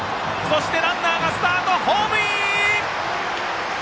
ランナーがスタートでホームイン！